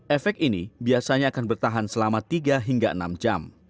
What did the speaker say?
efek ini biasanya akan bertahan selama tiga hingga enam jam